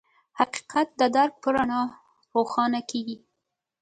حقیقت د درک په رڼا روښانه کېږي.